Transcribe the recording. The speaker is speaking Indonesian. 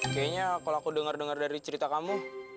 kayaknya kalo aku denger dengar dari cerita kamu